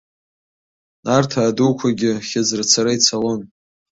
Нарҭаа дуқәагьы хьыӡрацара ицалон.